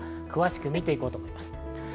詳しく見て行こうと思います。